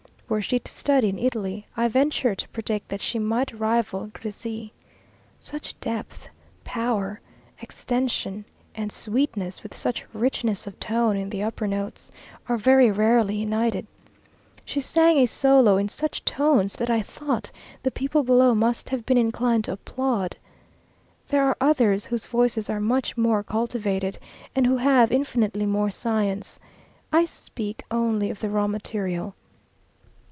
Were she to study in Italy, I venture to predict that she might rival Grisi. Such depth, power, extension, and sweetness, with such richness of tone in the upper notes, are very rarely united. She sang a solo in such tones that I thought the people below must have been inclined to applaud. There are others whose voices are much more cultivated, and who have infinitely more science. I speak only of the raw material.